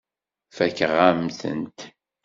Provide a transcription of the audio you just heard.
Fakeɣ-am-tent.